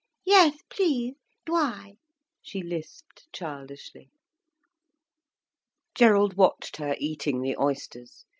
"Yes please, dwy," she lisped childishly. Gerald watched her eating the oysters.